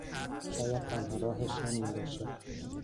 شاید تنها راهش همین باشه.